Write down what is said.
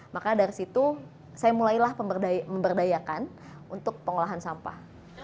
maka dari situ saya mulailah memberdayakan untuk pengolahan sampah